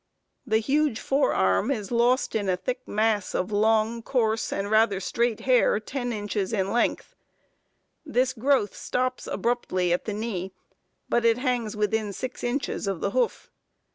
The huge fore arm is lost in a thick mass of long, coarse, and rather straight hair 10 inches in length. This growth stops abruptly at the knee, but it hangs within 6 inches of the hoof.